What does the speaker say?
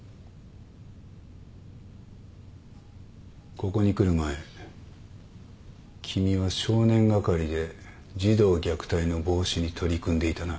ここに来る前君は少年係で児童虐待の防止に取り組んでいたな。